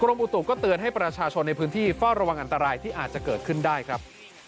อุตุก็เตือนให้ประชาชนในพื้นที่เฝ้าระวังอันตรายที่อาจจะเกิดขึ้นได้ครับ